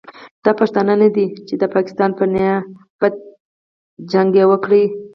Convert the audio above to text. دا پښتانه نه دي چې د پاکستان په نیابت جګړه وکړي.